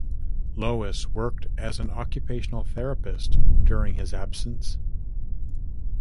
Lois worked as an occupational therapist during his absence.